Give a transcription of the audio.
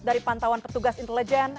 dari pantauan petugas intelijen